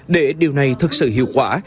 để điều này thực sự hiệu quả